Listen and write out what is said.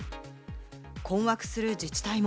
困惑する自治体も。